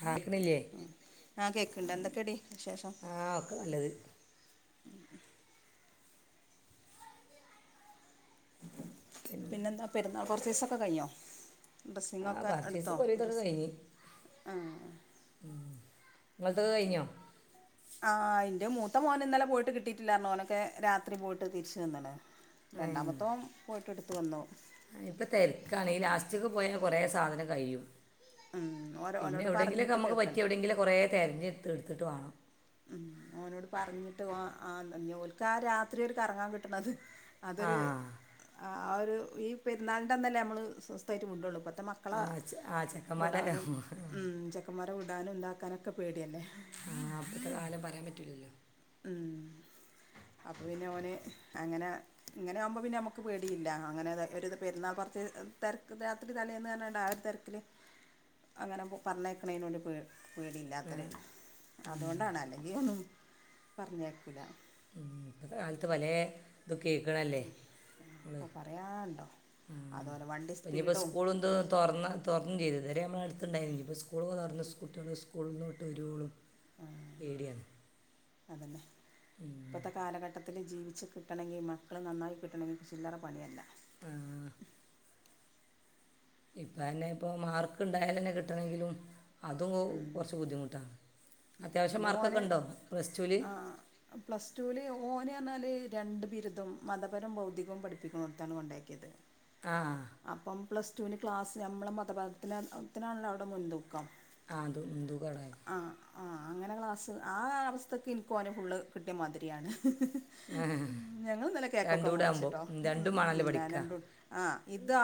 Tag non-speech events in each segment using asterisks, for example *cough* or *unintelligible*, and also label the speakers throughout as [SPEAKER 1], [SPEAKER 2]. [SPEAKER 1] ആ കേൾക്കണില്ലേ
[SPEAKER 2] ഉം ആ കേക്ക്ണ്ട് എന്തൊ എടി
[SPEAKER 1] ആ ഒക്കെ നല്ലത് ഉം.
[SPEAKER 2] പിന്നെന്താ പെരുന്നാൾ പർച്ചേസൊക്കെ കഴിഞ്ഞോ
[SPEAKER 1] ആ
[SPEAKER 2] ഡ്രസ്സിങ്ങൊക്കെ ഇട്ത്തോ
[SPEAKER 1] പർച്ചേസൊക്കെ ഒരുവിധമൊക്കെ
[SPEAKER 2] ഡ്രസ്
[SPEAKER 1] കഴിഞ്ഞ്
[SPEAKER 2] ആ
[SPEAKER 1] ങ്ങൾതോക്കെ കയ്ഞ്ഞേ?
[SPEAKER 2] ആ ഇന്റെ മൂത്ത മോന് ഇന്നലെ പോയിട്ട് കിട്ടിട്ടില്ലാർഞ്ഞ് ഓനൊക്കെ രാത്രി പോയിട്ട് തിരിച്ച് വന്ന്ണ്
[SPEAKER 1] ഹേ
[SPEAKER 2] വന്നു
[SPEAKER 1] ആ ഇപ്പ തെരക്കാണ് ഈ ലാസ്റ്റ്ക്ക് പോയാ കൊറെ സാധനം കയും
[SPEAKER 2] ഉം ഓരോ
[SPEAKER 1] പിന്നെ
[SPEAKER 2] ഓനോട്
[SPEAKER 1] എവിടെങ്കിലോക്കെ
[SPEAKER 2] പറഞ്ഞിട്ട്
[SPEAKER 1] നമ്മക്ക് പറ്റി
[SPEAKER 2] കേൾക്കണ്ടേ
[SPEAKER 1] എവിടെങ്കിലോക്കെ കൊറെ തെര്ഞ്ഞ്ട്ത്ത് ത്ട്ട് വാണം
[SPEAKER 2] ഉം ഓനോട് പറഞ്ട്ട് ഓൻ ആ ഓൽക്ക് ആ രാത്രി ഒരു കറങ്ങാൻ കിട്ട്ണത്
[SPEAKER 1] ആ
[SPEAKER 2] അതൊര് ആ ആ ഒര് ഈ പെര്ന്നാൾന്റെ അന്നല്ലെ നമ്മള് സ്വസ്ഥയിട്ട് വ്ടോള്ളു
[SPEAKER 1] ആ ആ ചെക്കൻമാരെ
[SPEAKER 2] ഉം, ചെക്കന്മാരെ വിടാനും താക്കാനൊക്കെ പേടെല്ലേ
[SPEAKER 1] ആ ഇപ്പത്തെ കാലം പറയാം പറ്റൂലല്ലോ
[SPEAKER 2] ഉം അപ്പ പിന്നെ ഓന് അങ്ങനെ ഇങ്ങനെ ആവുമ്പോ പിന്നെ നമ്മക്ക് പേടിയില്ല അങ്ങനെ ഒത് ഒര്ത് പെരുന്നാൾ പർച്ച് തെരക്ക് രാത്രി തലേന്ന് പറഞ്ഞാണ്ട് ആ തെര്ക്കില് അങ്ങനെ പറഞ്ഞേക്ണേഞ്ഞോട് പേ പേടില്ലാതോര് അതൊണ്ടാണ് അല്ലെങ്കി ഒന്നും പറഞ്ഞേക്കൂല.
[SPEAKER 1] ഉം ഇപ്പത്തെ കാലത്ത് പലേ ദും കേക്ക്ണല്ലേ ങ്ങള്
[SPEAKER 2] അപ്പോൾ പറയാനുണ്ടോ
[SPEAKER 1] ഉം
[SPEAKER 2] അതുപോലെ വണ്ടി
[SPEAKER 1] പി ഇനിപ്പോ
[SPEAKER 2] സ്പീഡും
[SPEAKER 1] സ്കൂൾ തും തുറന്ന തൊർന്നും ചെയ്തലേ ഇതരെ നമ്മളെഅടുത്തുണ്ടായി നി ഇനി പ്പം സ് കൂൾ തൊർന്ന് കുട്ട്യാൾ സ്കൂ സ്കൂൾന്ന് വിട്ട് വരോളും
[SPEAKER 2] ആ അതന്നെ ഇപ്പത്തെ കാലഘട്ടത്തിൽ ജീവി ച്ച് കിട്ടണമെങ്കിൽ മക്കൾ നന്നായി കിട്ടണമെങ്കിൽ ചില്ലറ പണിയല്ല.
[SPEAKER 1] ആ ഇപ്പ തന്നെ ഇപ്പൊ മാർക്ക് ഇണ്ടായൽ തന്നെ കിട്ടണെങ്കിലും അതും കുറച്ച് ബുദ്ധിമുട്ടാ.
[SPEAKER 2] എന്റെ മോന്
[SPEAKER 1] ടുവിൽ
[SPEAKER 2] ആ പ്ലസ് ടൂല് ഓന്പറഞ്ഞാല് രണ്ട് ബിരുദും മതപരം ഭൗതികവും പഠിപ്പിക്കുന്നോട്ത്താണ് കൊണ്ടാക്കിയത്.
[SPEAKER 1] ആ
[SPEAKER 2] അപ്പം പ്ലസ് ടുവിന് ക്ലാസ് നമ്മളെ മതപാതത്തിനാണല്ലോ അവിടെ മുൻ തൂ
[SPEAKER 1] ആതും മുൻതൂക്കം അവിടെ
[SPEAKER 2] ആ അങ്ങനെ ക്ലാസ്സ് ആ അവസ്ഥത്തക്ക് ഇൻക്ക് ഓന് ഫുള്ള് കിട്ടിയ മാതിരിയാണ്. ഞങ്ങള് ഇന്നലെ
[SPEAKER 1] രണ്ടും
[SPEAKER 2] കേക്കൊക്കെ
[SPEAKER 1] കൂടെ ആകുമ്പോൾ
[SPEAKER 2] മുറിച്ച്ട്ടോ ഉം
[SPEAKER 1] രണ്ടും
[SPEAKER 2] ഉം
[SPEAKER 1] വേണമല്ലോ
[SPEAKER 2] ഞാന്
[SPEAKER 1] പഠിക്കുക
[SPEAKER 2] രണ്ടും ആ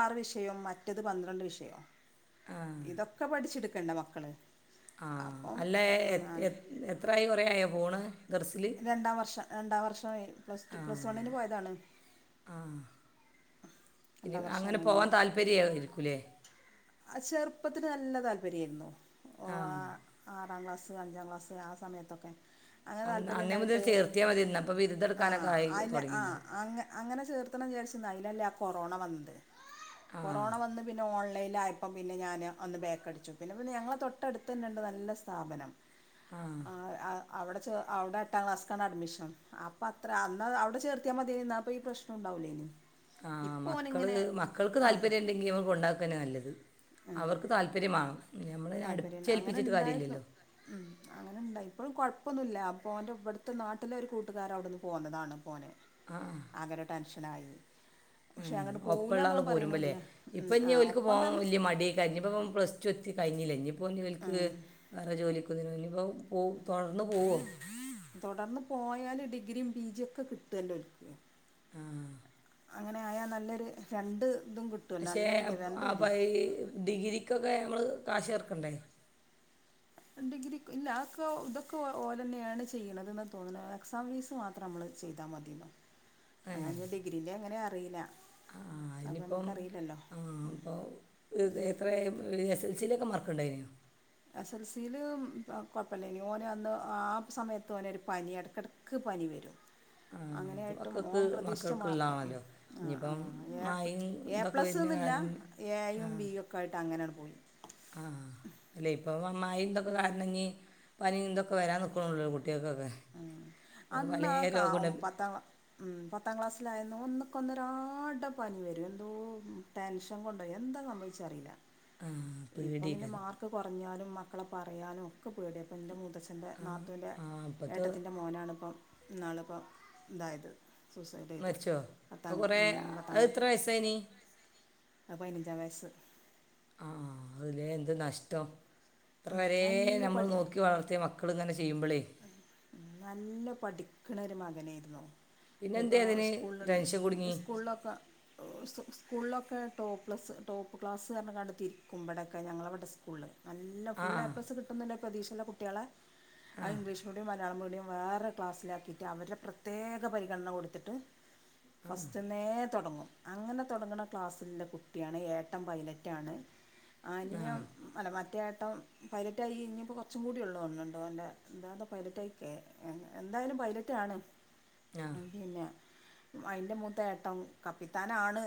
[SPEAKER 2] ആറ് വിഷയം മറ്റത് പന്ത്രണ്ട് വിഷയൊ
[SPEAKER 1] ആ
[SPEAKER 2] ഇതൊക്കെ പഠിച്ചട് ക്കണ്ടെ മക്കള്
[SPEAKER 1] ആ അല്ല എ എ എത്രായി കൊറെ ആയോ പോണ്
[SPEAKER 2] രണ്ടാം വർഷം രണ്ടാം വർഷം ഏ പ്ലസ് ടു
[SPEAKER 1] ആ
[SPEAKER 2] പ്ലസ് വണ്ണിന് പോയതാണ്
[SPEAKER 1] ആ ഇനി
[SPEAKER 2] രണ്ടാം വർഷ
[SPEAKER 1] അങ്ങനെ
[SPEAKER 2] അണഞ്ഞു
[SPEAKER 1] പോവാൻ താല്പര്യമായിരിക്കൂലേ
[SPEAKER 2] ചെറുപ്പത്തില് നല്ല താ ല്പര്യേരുന്നു ഓ ആ ആറാം ക്ലാസ്സ് ക്സ് അഞ്ചാം ക്ലാസ് ആ സമയത്തൊക്കെ അങ്ങനെ താല്
[SPEAKER 1] അന്ന് അന്നേ മുതൽ
[SPEAKER 2] പര്യണ്ടായിട്ട്
[SPEAKER 1] ചേർത്തിയാൽ മതി ഇന്നപ്പോൾ
[SPEAKER 2] ആ
[SPEAKER 1] ബിരുദെടുക്കാനൊക്കെ ആയി
[SPEAKER 2] ആയില്ലേ ആ
[SPEAKER 1] തുടങ്ങിയിട്ടുണ്ടാവും
[SPEAKER 2] അങ്ങ അങ്ങനെ ചേർത്തണം വിചാരിച്ച് ഇന്നായി അയിലല്ലേ ആ കൊറോണ വന്നത്
[SPEAKER 1] ആ
[SPEAKER 2] കൊറോണ വന്ന് പിന്നെ ഓൺ ലൈലായപ്പോ പിന്നെ ഞാൻ ഒന്ന് ബേക്കടിച്ചു പിന്നെ പിന്നെ ഞങ്ങളെ തൊട്ടടുത്തന്നെണ്ട് നല്ല സ്ഥാപനം
[SPEAKER 1] ആ
[SPEAKER 2] അവടെ ചെ അവടെ എട്ടാം ക്ലാസ്സ്ക്കാണ് അഡ്മിഷൻ. അപ്പൊ അത്ര അന്നത് അവിടെ ചേർത്തിയാ മതിയായ്ന്നു ന്നാപ്പോ ഈ പ്രശ്നം ഉണ്ടാവൂലായിന്നി
[SPEAKER 1] ആ മക്കള് മക്കൾക്ക്
[SPEAKER 2] ആ
[SPEAKER 1] താല്പര്യണ്ടെങ്കി നമ്മള് കൊണ്ടാക്കന്നെല്ലത് അവർക്ക് താല്പര്യമാ ആ
[SPEAKER 2] താല്പര്യണ്ട അങ്ങനെണ്ടായിരുന്നു. ഉം അങ്ങനെണ്ടായി ഇപ്പഴും കൊഴ് പ്പൊന്നുല്ല. ല്ല അപ്പൊ ഓന്റെ വ്ട്ത്തെ നാട്ടിലെ ഒരു കൂട്ടുകാരവ്ടെന്ന് പോന്നതാണ് പ്പോന്. ആകെരു ടെൻഷ *unintelligible*
[SPEAKER 1] ആ ഒപ്പള്ളാള് പോരുമ്പോല്ലേ
[SPEAKER 2] ഉം
[SPEAKER 1] ഇപ്പ
[SPEAKER 2] ആ
[SPEAKER 1] ഞ്ഞ് ഓൽക്ക്
[SPEAKER 2] ഒപ്പം
[SPEAKER 1] പോവാ
[SPEAKER 2] തന്നെ
[SPEAKER 1] വല്യ മടി അയ്ക്കാരം. ഞ്ഞി പ്പൊ ഓൻ പ്ലസ് ടു എത്തി കഴിഞ്ഞില്ല ഇഞ്ഞി പ്പൊ ഞ്ഞി ഓൽക്ക്
[SPEAKER 2] ഉം
[SPEAKER 1] വേറെ ജോലിയൊക്കെ *unintelligible* പോവും. തൊടർന്ന്പോവോ?
[SPEAKER 2] തുടർന്ന് പോയാൽ ഡിഗ്രിയും പി ജി ഒക്കെ കിട്ടല്ലോൽക്ക്.
[SPEAKER 1] ആ
[SPEAKER 2] അങ്ങനെ ആയാ നല്ലൊരു ഫ്രണ്ട്
[SPEAKER 1] ഷേ ആ പയേ ഡിഗ്രിക്കൊക്കെ നമ്മള് കാശ് ഏർക്കണ്ടേ
[SPEAKER 2] ഡിഗ്രിക്ക് ഇല്ല ആക്കെ ഇതൊക്കെ ഓലെന്നാണ് ചെയ്യ്ണതന്ന് തോന്നുണെ എക്സാം ഫീസ് മാത്രം നമ്മള് ചെയ്താൽ മതിന്നോ
[SPEAKER 1] ഏഹ് അ ആ
[SPEAKER 2] അപ്പം
[SPEAKER 1] ഇനിപ്പം
[SPEAKER 2] നമുക്കറിയില്ലല്ലോ
[SPEAKER 1] ആ ഇപ്പൊ എത്ര എസ് എൽസിയിലൊക്കെ മാർക്ക് ഉണ്ടയ്നോ
[SPEAKER 2] എസ് എൽ സിയില് കുഴപ്പല്ലേയ്നൂ ഓന് അന്ന് ആ സമയത്ത് ഓനൊരു പനി ഇടയ്ക്കിടക്ക് പനി വരും
[SPEAKER 1] ആ അത്
[SPEAKER 2] അങ്ങനെയായിട്ടും
[SPEAKER 1] മക്കൾക്ക്
[SPEAKER 2] ഓൻ പ്രതീക്ഷിച്ച മാർക്ക് ഉം
[SPEAKER 1] മക്കൾക്കുള്ളതാണല്ലോ
[SPEAKER 2] ആ
[SPEAKER 1] ഇനിയിപ്പം
[SPEAKER 2] ആ
[SPEAKER 1] മായും
[SPEAKER 2] എ
[SPEAKER 1] ഇതൊക്കെ വരുന്ന
[SPEAKER 2] പ്ലസ്ന്നില്ല
[SPEAKER 1] കാരണം ആ
[SPEAKER 2] എയും ബിയും ഒക്കെ ആയിട്ട് അങ്ങനെയാണ് പോയി
[SPEAKER 1] ആ അല്ല ഇപ്പൊ വം മയേം ഇതൊക്കെ കാരണമിനി പനി ഇതൊക്കെ വരാൻ നിക്കണുള്ളൂ കു
[SPEAKER 2] ഉം അന്ന് ആ കാ
[SPEAKER 1] രോഗമുണ്ട്
[SPEAKER 2] പത്താം ക്ലാ ഉം പത്താം ക്ലാസ്സിലായിരുന്നു ഒന്ന് ക്ക് ഒന്നരാടം പനി വരും എന്തോ ടെൻഷൻ കൊണ്ടോ എന്താ സംഭവിച്ചെ അറിയില്ല
[SPEAKER 1] ആ
[SPEAKER 2] ഇപ്പം പിന്നെ
[SPEAKER 1] പേടിക്കരം
[SPEAKER 2] മാർക്ക് കുറഞ്ഞാലും മക് ക്കളെ പറയാനും ഒക്കെ പേടിയാ ഇപ്പ എന്റെ മൂത ച്ഛന്റെ
[SPEAKER 1] ആ
[SPEAKER 2] നാത്തൂന്റെ
[SPEAKER 1] ആ ഇപ്പോഴത്തെ
[SPEAKER 2] ഏട്ടത്തിൻ്റെ മോനാണ് ഇപ്പം ഇന്നാളു ഇപ്പം ഇതായത് സൂസൈഡ് ചെയ്തു
[SPEAKER 1] മരിച്ചോ അത്
[SPEAKER 2] പത്താംക്ലാ
[SPEAKER 1] കുറേ
[SPEAKER 2] ഉം
[SPEAKER 1] അത് എത്ര വയസ്സായിനി
[SPEAKER 2] പത്താംക്ലാ പതിനഞ്ചാം വയസ്സ്
[SPEAKER 1] അതിലെ എന്ത് നഷ്ടം അത്ര
[SPEAKER 2] ഉം,
[SPEAKER 1] വരെ
[SPEAKER 2] നല്ല
[SPEAKER 1] നമ്മൾ
[SPEAKER 2] പഠി
[SPEAKER 1] നോക്കി വളർത്തിയ മക്കളിങ്ങനെ ചെ
[SPEAKER 2] നല്ല പഠിക്കണ ഒരു മാ അങ്ങനെയിരുന്നു
[SPEAKER 1] പിന്നെന്തേ
[SPEAKER 2] ഇപ്പോൾ
[SPEAKER 1] അതിന്
[SPEAKER 2] സ്കൂളിലുണ്ട്
[SPEAKER 1] ടെൻഷൻ കുടുങ്ങി
[SPEAKER 2] സ്കൂളിലൊക്കെ ഓ സ്കൂളിലൊക്കെ ടോപ്പ് പ്ലസ് ടോപ്പ് ക്ലാസ് പറഞ്ഞെങാണ്ട് തിരിക്കും ഇവിടൊക്കെ ഞങ്ങളിവിടെ സ്കൂളിൽ നല്ല
[SPEAKER 1] ആ
[SPEAKER 2] ഫുള് എപ്ലസ് കിട്ടുന്നുണ്ടെ പ്രതീക്ഷയുള്ള കുട്ടികളെ ആ ഇംഗ്ളീഷ് മീഡിയം മല യാളം മീഡിയം വേറെ ക്ലാസ്സിലാക്കിയിട്ട് അവരുടെ പ്രത്യേക പരിഗണന കൊടുത്തിട്ട് ഫസ്റ്റന്നെ തുടങ്ങും അങ്ങനെ തുടങ്ങുന്ന ക്ലാസ്സിലുള്ള കുട്ടിയാണ് ഏട്ടൻ പൈലറ്റാണ്
[SPEAKER 1] ആ
[SPEAKER 2] അനിയൻ അല്ല മറ്റേ ഏ ട്ടം പൈലറ്റായി ഇനിയിപ്പോൾ കുറച്ചും കൂടി ഉള്ളു തോന്നുന്നുണ്ട് ഓൻ്റെ എന്താന്താ പൈലറ്റായി ക്കേ എന്തായാലും പൈലറ്റ് ആണ്
[SPEAKER 1] ആ
[SPEAKER 2] അവ്ടെന്നാ അതിന്റെ മൂത്ത ഏട്ടൻ കപ്പിത്താനാണ്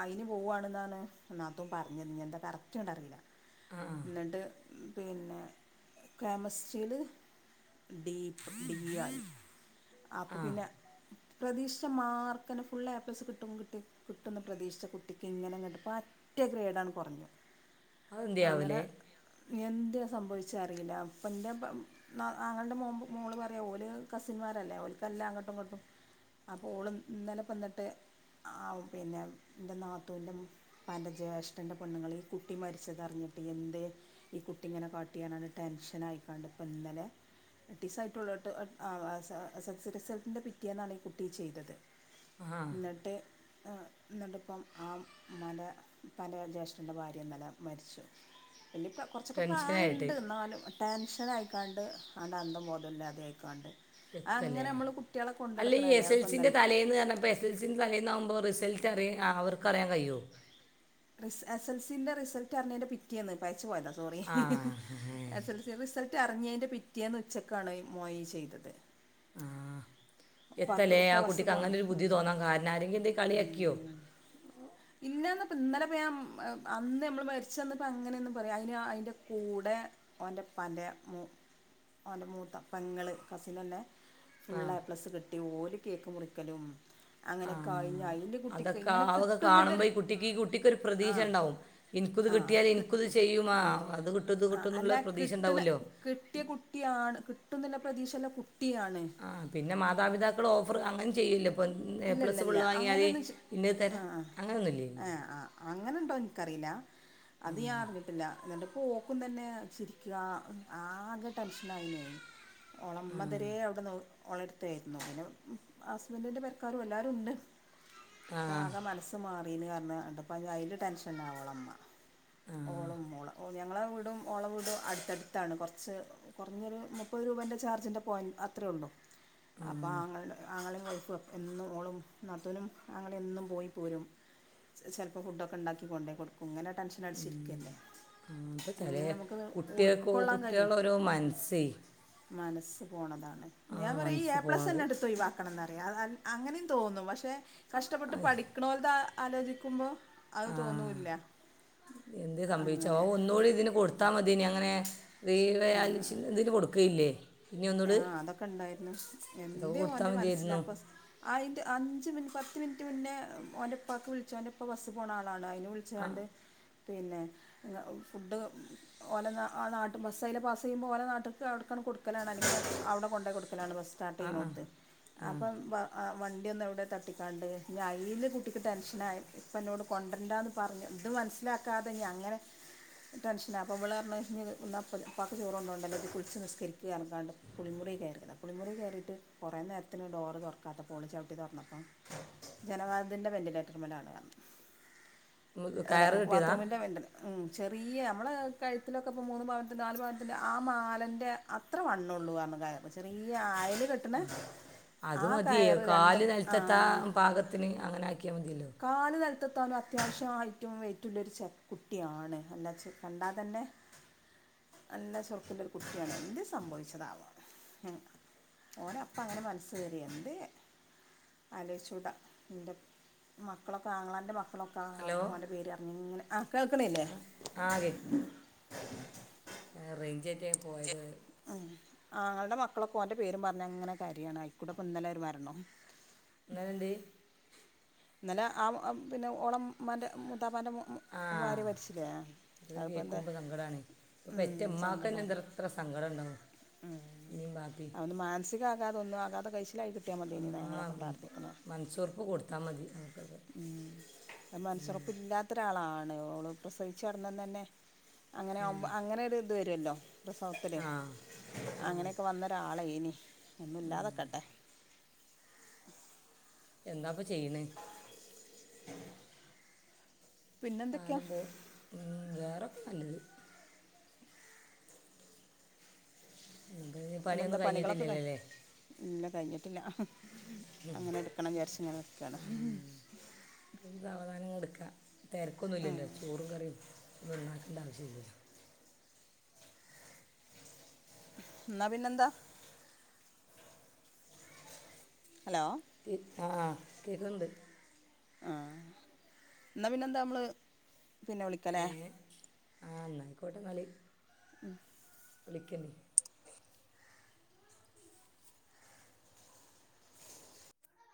[SPEAKER 2] അയിന് പോവുവാണെന്നാണ് നാത്തൂൻ പറഞ്ഞത് ഇനി എന്താ കറക്റ്റ് അങ്ങോട്ടറിയില്ല
[SPEAKER 1] ആ
[SPEAKER 2] എന്നിട്ട് പിന്നെ കെമസ്ട്രിയില് ഡി ഡി ആയി അപ്പം
[SPEAKER 1] ആ
[SPEAKER 2] പിന്നെ പ്രതീക്ഷിച്ച മാർക്കന്നെ ഫുൾ ഏപ്ലസ് കിട്ടും കിട്ടും കിട്ടുന്ന് പ്രതീക്ഷിച്ച കുട്ടിക്ക് ഇങ്ങനെ ങ്ങട്ട് പറ്റ ഗ്രേഡ് ആണ്ട്കുറഞ്ഞു
[SPEAKER 1] അഹ് എന്തേ ആവ ലേ
[SPEAKER 2] എന്തേ സംഭവിച്ചേറിയില്ല അപ്പം ൻ്റെ ആങ്ങളയുടെ മോൾ പറയാം ഓല് കസിന്മാരല്ലേ ഓലക്കെല്ലാം അങ്ങോട്ടും ഇങ്ങോട്ടും അപ്പോൾ ഓള് ഇന്നലെ പിന്നെ ൻ്റെ നാത്തൂൻ്റെ പ്പാൻ്റെ ജയേഷ്ഠൻ്റെ പെണ്ണ്ങ്ങള്കുട്ടി മരിച്ചതറിഞ്ഞിട്ട് എന്തേ ഈ കുട്ടി ഇങ്ങനെ കാട്ടിയേന്ന് അറിഞ്ഞിട്ടാണോ ടെൻഷന ആയിക്കാണ്ട് ഇന്നലെഎട്ടിസംആയിട്ടെള്ളൂ ങ്ങട്ട് എസ്എൽസി റിസൾട്ടിൻ്റെ പിറ്റിയെന്നാണ് ഈ കുട്ടി ഈ ചെയ്തത്
[SPEAKER 1] ആ
[SPEAKER 2] എന്നിട്ട് ആ എന്ന് ആ ഇമ്മാന്റെ പ്പാന്റെ ജ്യേഷഠന്റെ ഭാര്യഇന്നലെമരിച്ചു വല്യപ്പം കുറച്ചൊക്കെ പ്രായ
[SPEAKER 1] ടെൻഷനായിട്ട്
[SPEAKER 2] ണ്ട് ന്നാലും ടെൻഷൻ ആയി ക്കാണ്ട് ആണ്ട് അതും ബോധും ഇല്ലാതായി ക്കാണ്ട്
[SPEAKER 1] എത്തല്ലേ അല്ല ഈ എസ് എൽ
[SPEAKER 2] അതിപ്പോൾ
[SPEAKER 1] സിന്റെ
[SPEAKER 2] ഇന്നലെ
[SPEAKER 1] തലേന്ന് ആകുമ്പോൾ എസ് എൽ സി തലേന്ന് ആകുമ്പോൾ റിസൽ റ്റ് അറി അവർക്ക് അറിയാൻ കഴിയോ
[SPEAKER 2] എസ് എൽ സിന്റെ റിസൾട്ട് അറിഞ്ഞേന്റെ പിറ്റേന്ന് പറഞ്ഞിട്ട പോയതാ സോറി
[SPEAKER 1] ആ
[SPEAKER 2] എ സ
[SPEAKER 1] ഏ
[SPEAKER 2] ൽ സി റിസ്ലട് തോറ്റ് അറിഞ്ഞേന്റെപിറ്റേന്ന് ഉച്ചക്കാണ് ഈ മോൻ ഇത്ചെയ്തത്
[SPEAKER 1] ആ എത്തല്ലേ
[SPEAKER 2] ഉപ്പ
[SPEAKER 1] ആ
[SPEAKER 2] ബസ്
[SPEAKER 1] കുട്ടിക്ക് അങ്ങനെ ഒരു ബുദ്ധി
[SPEAKER 2] പോകണം
[SPEAKER 1] തോന്നാ കാരണം ആരെങ്കിലും എന്തങ്കി കളിയാകിയോ
[SPEAKER 2] ഇല്ലാന്നപ്പോ ഇന്നലെ പോ ഞാൻ അന്ന് നമ്മള് മരിച്ചന്നപ്പോ അങ്ങനെയന്നും പറയാ അയ്ന് അയിന്റെ കൂടെ ഓന്റെ പ്പാന്റെ മൂ ഓന്റെ മൂത്ത പെങ്ങള് കസിന് നന്നെ
[SPEAKER 1] ആ
[SPEAKER 2] ഫുള്ള് ഏപ്ലസ് കിട്ടി ഒല് കേക്ക് മുറിക്കലും
[SPEAKER 1] ആ
[SPEAKER 2] അങ്ങനെക്കെ ആയി അയില് കുട്ടിക്ക്
[SPEAKER 1] അതൊക്കെ
[SPEAKER 2] ഇങ്ങനെ കി
[SPEAKER 1] അതൊക്കെ കാണുമ്പോൾ ഈ കുട്ടിക്ക് ഈ കുട്ടിക്കൊരു പ്രതീക്ഷ ഉണ്ടാവും ഈ തുക
[SPEAKER 2] ആഹ്
[SPEAKER 1] കിട്ടിയാൽ ഇൻക്കുത്
[SPEAKER 2] കിട്ടും
[SPEAKER 1] ചെയും മാ
[SPEAKER 2] ആഹ്
[SPEAKER 1] അത് കിട്ടും
[SPEAKER 2] ആഹ്
[SPEAKER 1] ഇത്കിട്ടും ന്നുള്ള
[SPEAKER 2] അല്ല
[SPEAKER 1] പ്രതീക്ഷ
[SPEAKER 2] കിട്ടണ
[SPEAKER 1] ഉണ്ടാവുമല്ലോ
[SPEAKER 2] പ്രതീക്ഷല്ല കു
[SPEAKER 1] ആ പിന്നെ മാതാപിതാക്കൾ ഓഫ അവർ അങ്ങനെ ചെയ്യില്ലേ
[SPEAKER 2] ഇല്ല ഇല്ല ല്ല അങ്ങനെയെന്ന്
[SPEAKER 1] ഇന്നത്
[SPEAKER 2] ആ
[SPEAKER 1] തരാം അങ്ങനെയൊന്നുമില്ലേ
[SPEAKER 2] ആ ആ ഏ അങ്ങനെ ഉണ്ടോ ഇൻക്കറിയില്ല അത് ഞാൻ അറിഞ്ഞിട്ടില്ല ഇന്നട്ട്പ്പോ ഓക്കും തന്നെ ചിരിക്കാ ആകെ ടെൻഷനായിണ് ഓള
[SPEAKER 1] ആ
[SPEAKER 2] ഇമ്മ ഇതരെ അവിടെ ഓളെടുത്തായിരുന്നു പിന്നെ ഹസ്ബൻഡിൻ്റെ പെരക്കാ എല്ലാരുണ്ട്
[SPEAKER 1] ആ
[SPEAKER 2] ഇപ്പം ആകെ മനസ്സു മാ പറഞ്ഞ് ന്ന്ട്ട് പ്പംഅയിന്റ ടെൻഷനാ ഓള ഇമ്മാ
[SPEAKER 1] ആ
[SPEAKER 2] ഓള മ്മാ ഓളെ ഞങ്ങളെ വീടും ഓളെ വീടും അടുത്തടുത്താണ് കുറച്ച് കുറഞ്ഞൊരു മുപ്പത് രൂപേൻ്റെ ചാർജിൻ്റെ പോയിൻറ് അത്ര ഒള്ളൂ
[SPEAKER 1] ആ
[SPEAKER 2] അപ്പൊ ആങ്ങ ആങ്ങളെ അപ്പ *unintelligible* എന്നും ഓളും നാത്തൂനും ആങ്ങളയും എന്നും പോയി പോരും ചിലപ്പോൾ ഫുഡൊക്കെ ഉണ്ടാക്കി കൊണ്ടേ കൊടുക്കും ഇങ്ങനെ ടെൻഷൻ
[SPEAKER 1] ഉം.
[SPEAKER 2] അടിച്ചിരിക്കല്ലേ
[SPEAKER 1] ആ, ഇപ്പം ചില
[SPEAKER 2] എങ്ങനെ നമുക്ക് ഇത്
[SPEAKER 1] കുട്ടികൾക്ക്
[SPEAKER 2] ഉൾക്കൊള്ളാൻ കഴിയും
[SPEAKER 1] കുട്ടികളോരോ മനസ്സേ
[SPEAKER 2] മനസ്സ് പോണതാണ്
[SPEAKER 1] ആ
[SPEAKER 2] ഞൻ പറയാ ഈ
[SPEAKER 1] മനസ്സ്
[SPEAKER 2] എ
[SPEAKER 1] പോണത്
[SPEAKER 2] പ്ലസ്ന്നെ അടുത്തോയിവക്കണം എന്ന അയാതാൽ *unintelligible* അങ്ങനി തോന്നും പക്ഷെ കഷ്ടപ്പെട്ട് പഠിക്ണേലതാ ആലോചിക്കുമ്പോൾ അത്
[SPEAKER 1] ആ
[SPEAKER 2] തോന്നൂല്ല
[SPEAKER 1] എന്ത് സംഭവിച്ചോ ഓ
[SPEAKER 2] അങ്ങനെ
[SPEAKER 1] ഒന്നുകൂടി ഇതിന് കൊടുത്താൽ മതെനി അങ്ങനെ റീവൽ
[SPEAKER 2] ആ,
[SPEAKER 1] ഇതിന്ന് കൊടുക്കുകയില്ലേ പിന്നെ
[SPEAKER 2] ആ
[SPEAKER 1] ഒന്നുകൂടി
[SPEAKER 2] അതൊക്കെ
[SPEAKER 1] അതൊക്കെ
[SPEAKER 2] ഇണ്ടായിരുന്നുഎന്തെ
[SPEAKER 1] കൊടുത്താൽ
[SPEAKER 2] ഓന്റെ മനസ്സിൽ
[SPEAKER 1] മതിയായിരുന്നു
[SPEAKER 2] അപ്പം അയിന്റെ അഞ്ച് മിനിറ്റ് പത്ത് മിനിറ്റ് മുന്നേ ഓന്റെ ഉപ്പാക്ക് വിളിച്ചു ഓന്റെ ഉപ്പ ബസ്സ് പോകണ ആളാണ് അയിന് വിളിച്ച്
[SPEAKER 1] ആ
[SPEAKER 2] കണ്ട് പിന്നെ ഫുഡ് ഓലെ ആ നാട്ട് ബസ്സ് ആയില്ലേ പാസ് ചെയ്യുമ്പോ ഓലെ നാട്ട്ക്ക് അവിട്ക് കൊട്ക്കല നല്ല അവിടെ കൊണ്ടേ കൊടുക്കു കൊടുക്കലാണ് ബസ് സ്റ്റാർട്ട്
[SPEAKER 1] ആ ആ
[SPEAKER 2] ചെയ്യുനേട്ത്
[SPEAKER 1] ആ
[SPEAKER 2] അപ്പം വണ്ടിഒന്ന് എവിടെ തട്ടിക്കാണ്ട് ഇഞ്ഞ് അയിൽ കുട്ടിക്ക് ടെൻഷനായി ഇപ്പം ഇന്നോട് കൊണ്ടിരണ്ടാന്ന് പഞ്ഞ് ഇത് മനസ്സിലാക്കാതെ ഇഞ് അങ്ങനെ ടെൻഷനാണ് അപ്പോ ഇവൾ പറഞ്ഞ് ഇന്നാ ഇപ്പാക്ക് ചോറ് കൊണ്ടേ ണ്ടല്ലോ ഇജ്കുളിച്ച് നിസ്കരി ഇറക്കാണ്ട് കുളിമുറി കയറിയത കുളിമുറി കയറിയിട്ട് കുറേ നേരത്തിന് ഡോർ തുറക്കാത്തപ്പോൾ ഓള് ചവിട്ടി തുറന്നപ്പം ജനവാതിലിന്റെ വെന്റിലേറ്ററിലാണ് പറഞ്ഞു അല്ല
[SPEAKER 1] കയറ് കെട്ടിയതാ
[SPEAKER 2] ബാത്റൂമിന്റെ വെണ്ടൽ *unintelligible* ഉ ചെറിയ നമ്മൾ കഴുത്തിലൊക്കെ ഇപ്പോൾ മൂന്ന് പാവത്തി നാല് പാവനത്തി്റെ ആ മാലൻ്റെ അത്ര വണ്ണണംള്ളൂന്നു പറഞ്ഞു കയർ ചെറിയ ആ കെട്ടണ
[SPEAKER 1] അത് മതിയെ
[SPEAKER 2] കയറ് രണ്ട്
[SPEAKER 1] കാല്
[SPEAKER 2] ആ,
[SPEAKER 1] നെൽത്ത് എത്താൻ പാകത്തിന് അങ്ങനെ ആക്കിയാൽ മതിയല്ലോ
[SPEAKER 2] *unintelligible* അത്യാവശ്യം ഐറ്റും വെറ്റുള്ളൊരു ചകുട്ടിയാണ് കണ്ടാൽ തന്നെ നല്ല ചെറുക്കുള്ളൊരു കുട്ടിയാണ് എന്തെ സംഭവിച്ചതാവേ ഓന് അപ്പം അങ്ങനെ മനസ്സ് കയറിയ എന്ത് ആലോച്ചൂടാ എന്റെ ആങ്ങളന്റെ മക്കളൊക്കെ
[SPEAKER 1] ഹലോ
[SPEAKER 2] മക്കളൊക്കെ ഓന്റെ പേര് പറഞ്ഞങ്ങനെ കേൾക്കണില്ലേ
[SPEAKER 1] ആ കേക്ക് ഒറ്റേ *unintelligible* പോയത്
[SPEAKER 2] ആങ്ങളന്റെ മക്കളൊക്കെ ഒന്റെ പേരും പറഞ്ഞ് ഇങ്ങനെ കരയാണ് ആക്കൂടെപ്പഠഇന്നലെ മരണം
[SPEAKER 1] ഇന്നലെ എന്തിയെ
[SPEAKER 2] ഇന്നലെ ആ പിന്നെ ഓളെ ഉമ്മാന്റെ
[SPEAKER 1] ആ അത്
[SPEAKER 2] അതിപ്പോൾ എന്താ
[SPEAKER 1] കേക്കുമ്പോ സങ്കടണ് പെറ്റ ഉമ്മാക്ക്
[SPEAKER 2] സങ്കടമാണ്
[SPEAKER 1] തന്നെ എത്ര സങ്കടം ഉണ്ടാവും ഇമ്മീ ബാപ്പി ഇല്ല
[SPEAKER 2] ആകതെന്ന ആാെ ക *unintelligible* ശരിയായി കിട്ടിയാൽ മതിയേനിന്
[SPEAKER 1] ആ
[SPEAKER 2] ഞങ്ങളൊക്കെ പ്രാർത്ഥിക്കുന്ന
[SPEAKER 1] മനസ്സുറപ്പ് കൊടുത്താൽ മതി അവർക്കൊക്കെ
[SPEAKER 2] മനസുറപ്പില്ലാത്ത ഒരാളാണ് ആ ഓള് പ്രസവിച്ചടന്നന്ന് തന്നെ അങ്ങനെ അങ്ങനെ ഒരു വരുല്ലോ അ സൗത്തില്
[SPEAKER 1] ആ ആ
[SPEAKER 2] അങ്ങനെയൊക്കെ വന്നൊരാളായി ഇനി *unintelligible* ഒന്നുംല്ലാതൊക്കട്ടെ
[SPEAKER 1] എന്താപ്പ ചെയ്യണ്
[SPEAKER 2] ഉ
[SPEAKER 1] കാലം പോട്ട വേറെ അല് *unintelligible* അപ്പ ഇ
[SPEAKER 2] എന്താ
[SPEAKER 1] പണിയൊന്നും
[SPEAKER 2] പണികളൊക്കെ കഴി
[SPEAKER 1] കഴിഞ്ഞിട്ടില്ലല്ലോല്ലേ
[SPEAKER 2] ഇല്ല കഴിഞ്ഞിട്ടില്ല അങ്ങനെ എടുക്കണം *unintelligible* ചരിച്ചഞ എക്കണം
[SPEAKER 1] തിരക്കൊന്നുഇല്ലോ ചോറും കറിയും ഒന്നും ഉണ്ടാക്കില്ല അതിന്റ ആവിശ്യം ഇല്ല
[SPEAKER 2] എന്ന പിന്നെന്താ ഹലോ
[SPEAKER 1] ആഹ് കേക്കണ്ട്
[SPEAKER 2] എന്താ പിന്നെ എന്താ നമ്മള് പിന്നെ വിളിക്കലേ
[SPEAKER 1] ആഹ എന്നന്നായിക്കോട്ടെ നളി
[SPEAKER 2] ഉം
[SPEAKER 1] *inaudible*